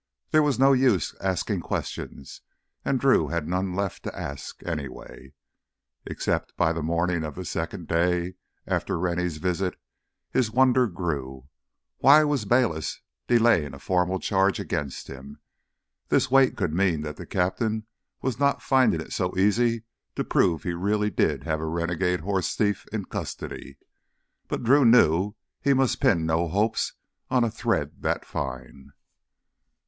There was no use asking questions, and Drew had none left to ask, anyway. Except, by the morning of the second day after Rennie's visit, his wonder grew. Why was Bayliss delaying a formal charge against him? This wait could mean that the captain was not finding it so easy to prove he really did have a "renegade horse thief" in custody. But Drew knew he must pin no hopes on a thread that fine.